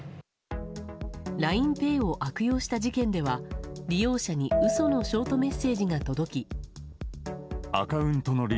ＬＩＮＥＰａｙを悪用した事件では利用者に嘘のショートメッセージが届き。